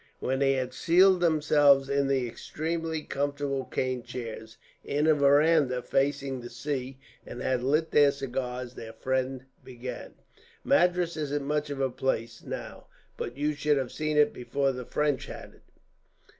When they had seated themselves in the extremely comfortable cane chairs, in a veranda facing the sea, and had lit their cigars, their friend began: "Madras isn't much of a place, now; but you should have seen it before the French had it.